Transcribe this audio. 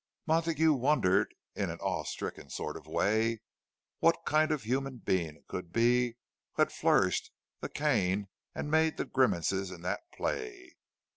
Montague wondered, in an awestricken sort of way, what kind of human being it could be who had flourished the cane and made the grimaces in that play.